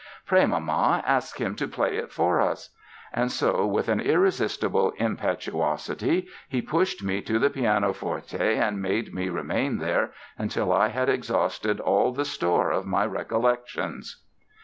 Pray, mamma, ask him to play it for us'; and so, with an irresistible impetuosity, he pushed me to the pianoforte and made me remain there until I had exhausted all the store of my recollections".